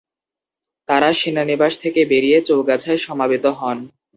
তারা সেনানিবাস থেকে বেরিয়ে চৌগাছায় সমবেত হন।